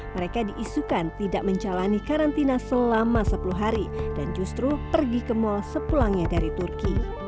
mereka diisukan tidak menjalani karantina selama sepuluh hari dan justru pergi ke mal sepulangnya dari turki